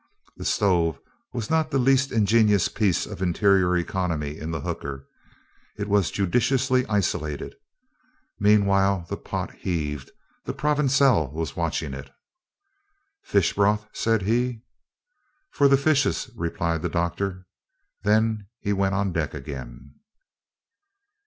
The stove was not the least ingenious piece of interior economy in the hooker. It was judiciously isolated. Meanwhile the pot heaved the Provençal was watching it. "Fish broth," said he. "For the fishes," replied the doctor. Then he went on deck again.